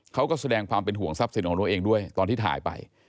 เขาก็แสดงความเป็นห่วงทรัพย์สินของตัวเองด้วยตอนที่ถ่ายไป